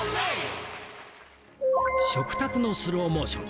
食卓のスローモーション！